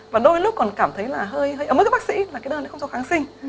và đôi lúc còn cảm thấy là hơi ấm ấm với bác sĩ là cái đơn đấy không cho kháng sinh